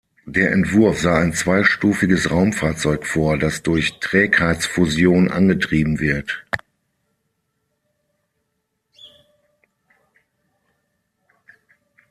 Der Entwurf sah ein zweistufiges Raumfahrzeug vor, das durch Trägheitsfusion angetrieben wird.